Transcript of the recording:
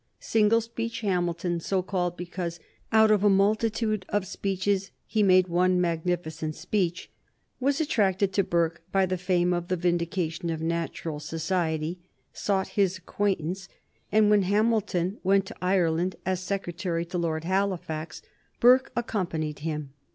Single speech Hamilton, so called because out of a multitude of speeches he made one magnificent speech, was attracted to Burke by the fame of the "Vindication of Natural Society," sought his acquaintance, and when Hamilton went to Ireland as secretary to Lord Halifax, Burke accompanied him.